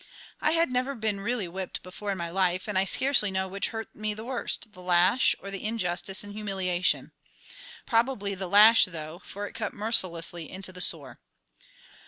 I had never been really whipped before in my life, and I scarcely know which hurt me the worst, the lash or the injustice and humiliation; probably the lash, though, for it cut mercilessly into the sore.